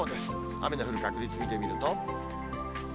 雨の降る確率見てみると。